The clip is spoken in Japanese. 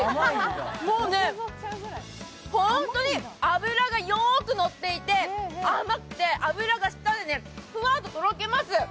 もうね、本当に脂がよく乗っていて甘くて、脂が舌でふわーっと溶けます。